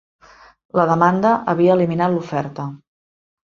La demanda havia eliminat l'oferta.